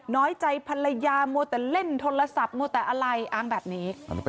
น้อยใจภรรยามัวแต่เล่นโทรศัพท์มัวแต่อะไรอ้างแบบนี้